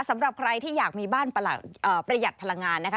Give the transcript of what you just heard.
สำหรับใครที่อยากมีบ้านประหยัดพลังงานนะคะ